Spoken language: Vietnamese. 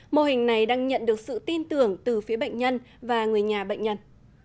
mô hình này đang nhận được sự tin tưởng từ phía bệnh nhân và người nhà bệnh nhân